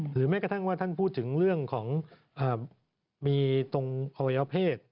แม้กระทั่งว่าท่านพูดถึงเรื่องของมีตรงอวัยวะเพศ